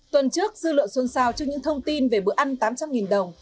tuần trước dư luận xuân sao trước những thông tin về bữa ăn tám trăm linh nghìn đồng